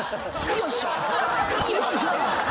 よいしょっ！